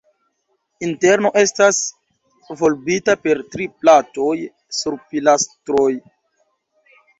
Interno estas volbita per tri platoj sur pilastroj.